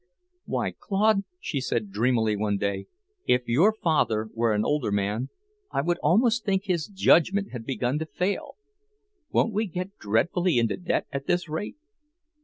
"Why, Claude," she said dreamily one day, "if your father were an older man, I would almost think his judgment had begun to fail. Won't we get dreadfully into debt at this rate?"